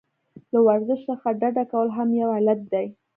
له ورزش څخه ډډه کول هم یو علت دی.